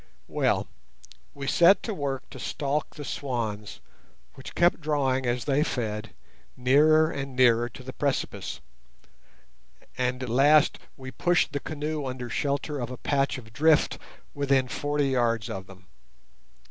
Well, we set to work to stalk the swans, which kept drawing, as they fed, nearer and nearer to the precipice, and at last we pushed the canoe under shelter of a patch of drift within forty yards of them.